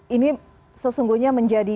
ini sesungguhnya menjadi